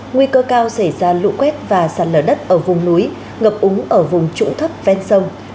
nguy cơ cao xảy ra lũ quét và sạt lở đất ở vùng núi ngập úng ở vùng trũng thấp ven sông